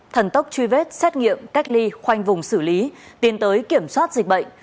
thần tốc truy vết xét nghiệm cách ly khoanh vùng xử lý tiến tới kiểm soát dịch bệnh